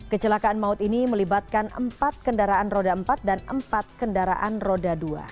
kecelakaan maut ini melibatkan empat kendaraan roda empat dan empat kendaraan roda dua